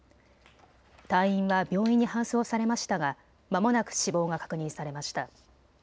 隊員は病院に搬送されましたがまもなく死亡が確認されました。